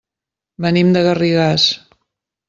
Venim de Garrigàs.